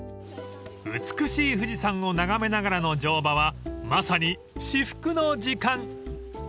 ［美しい富士山を眺めながらの乗馬はまさに至福の時間］